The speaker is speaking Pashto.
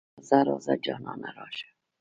راځه ـ راځه جانانه راشه.